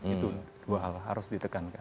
itu dua hal harus ditekankan